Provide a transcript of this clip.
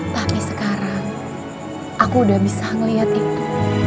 tapi sekarang aku sudah bisa melihat itu